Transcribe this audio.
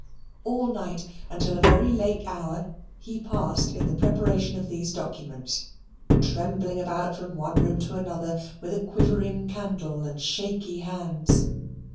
All night, until a very late hour, he passed in the preparation of these documents, trembling about from one room to another, with a quivering candle and shaky hands.